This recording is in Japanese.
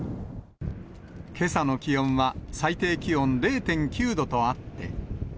けさの気温は最低気温０．９度とあって。